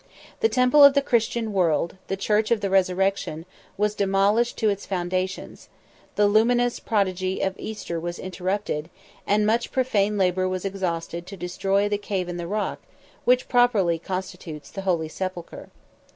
The temple of the Christian world, the church of the Resurrection, was demolished to its foundations; the luminous prodigy of Easter was interrupted, and much profane labor was exhausted to destroy the cave in the rock which properly constitutes the holy sepulchre.